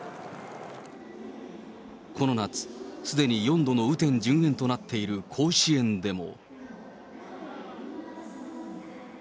この夏、すでに４度の雨天順延となっている甲子園でも。